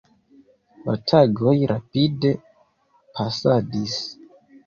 La tagoj rapide pasadis.